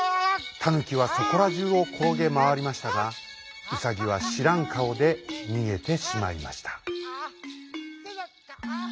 タヌキはそこらじゅうをころげまわりましたがウサギはしらんかおでにげてしまいました。